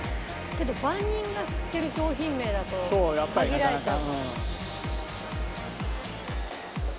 けど万人が知ってる商品名だと限られちゃうから。